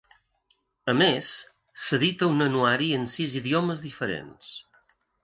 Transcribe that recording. A més, s'edita un anuari en sis idiomes diferents.